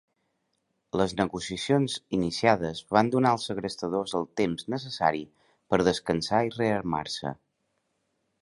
Les negociacions iniciades van donar als segrestadors el temps necessari per descansar i rearmar-se.